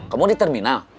kamu di terminal